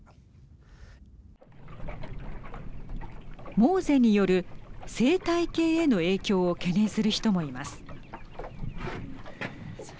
ＭｏＳＥによる生態系への影響を懸念する人もいます。